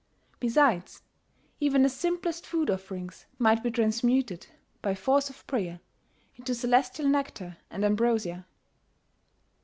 Besides, even the simplest food offerings might be transmuted, by force of prayer, into celestial nectar and ambrosia.